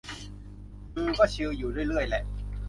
อือ ก็ชิลอยู่ เรื่อยเรื่อยแหละ